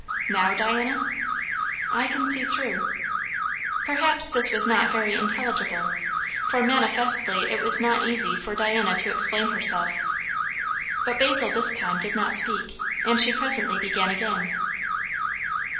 Now, Diana?" "I can see through." Perhaps this was not very intelligible, for manifestly it was not easy for Diana to explain herself; but Basil this time did not speak, and she presently began again.